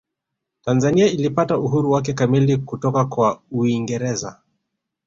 tanzania ilipata uhuru wake kamili kutoka kwa uingereza